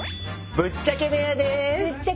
ぶっちゃけ部屋よ。